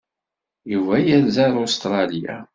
Yuba yerza ar Ustṛalya.